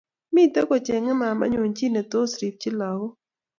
Miten kochengei mamaenyu chi netos ripchi lagook